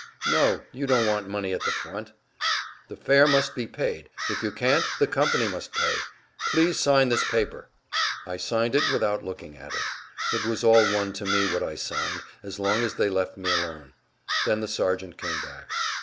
"No; you don't want money at the front." "The fare must be paid. If you can't, the company must pay. Please sign this paper." I signed it without looking at it. It was all one to me what I signed, as long as they left me alone. Then the sergeant came back.